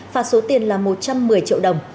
phạt số tiền là một trăm một mươi triệu đồng